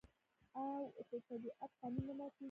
او د طبیعت قانون نه ماتیږي.